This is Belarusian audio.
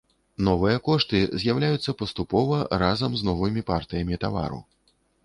Новыя кошты з'яўляюцца паступова, разам з новымі партыямі тавару.